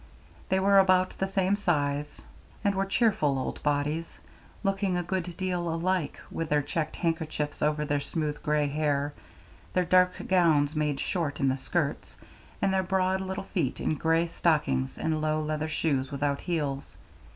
They were about the same size, and were cheerful old bodies, looking a good deal alike, with their checked handkerchiefs over their smooth gray hair, their dark gowns made short in the skirts, and their broad little feet in gray stockings and low leather shoes without heels.